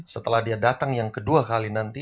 setelah dia datang yang kedua kali nanti